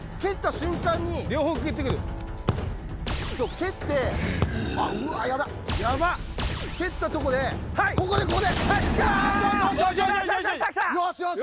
蹴ったところで、ここで、ここで！